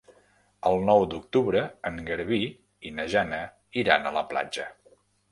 El nou d'octubre en Garbí i na Jana iran a la platja.